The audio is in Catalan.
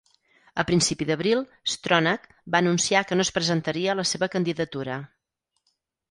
A principi d'abril, Stronach va anunciar que no es presentaria la seva candidatura.